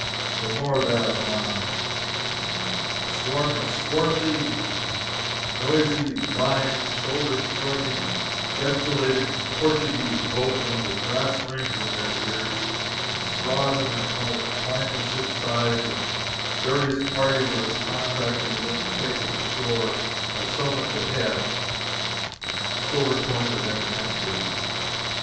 But more of that anon. A swarm of swarthy, noisy, lying, shoulder shrugging, gesticulating Portuguese boatmen, with brass rings in their ears and fraud in their hearts, climbed the ship's sides, and various parties of us contracted with them to take us ashore at so much a head, silver coin of any country.